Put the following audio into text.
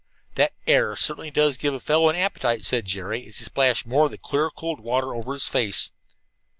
"That air certainly does give a fellow an appetite," said Jerry, as he splashed more of the clear cold water over his face.